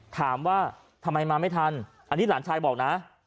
ถามว่าทำไมมาไม่ทันอันนี้หลานชายบอกนะ